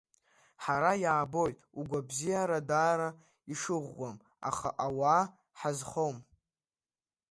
Ҳара иаабоит угәабзиара даара ишыӷәӷәам, аха ауаа ҳазхом.